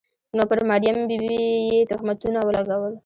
نو پر مریم بي بي یې تهمتونه ولګول.